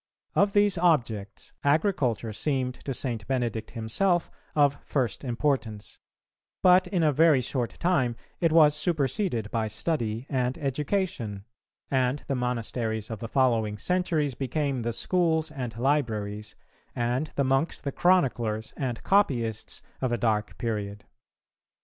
Of these objects, agriculture seemed to St. Benedict himself of first importance; but in a very short time it was superseded by study and education, and the monasteries of the following centuries became the schools and libraries, and the monks the chroniclers and copyists, of a dark period.